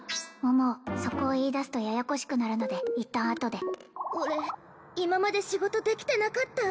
桃そこを言いだすとややこしくなるので一旦あとで俺今まで仕事できてなかった？